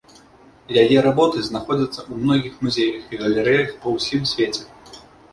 Яе работы знаходзяцца ў многіх музеях і галерэях па ўсім свеце.